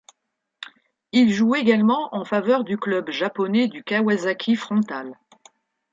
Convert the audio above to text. Il joue également en faveur du club japonais du Kawasaki Frontale.